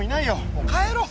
もう帰ろう。